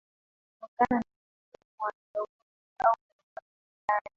kutokana na msukumo wa kiongozi au viongozi fulani